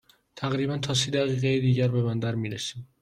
تقریباً تا سی دقیقه دیگر به بندر می رسیم.